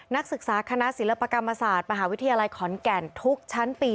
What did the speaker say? นักศึกษาคณะศิลปกรรมศาสตร์มหาวิทยาลัยขอนแก่นทุกชั้นปี